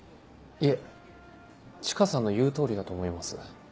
いえチカさんの言う通りだと思います。